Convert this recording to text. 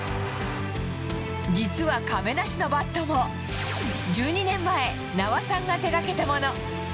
実は亀梨のバットも、１２年前、名和さんが手がけたもの。